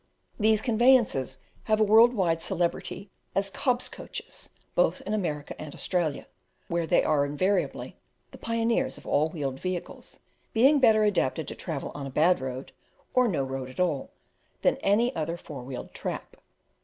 These conveyances have a world wide celebrity as "Cobb's coaches," both in America and Australia, where they are invariably the pioneers of all wheeled vehicles, being better adapted to travel on a bad road, or no road at all, than any other four wheeled "trap."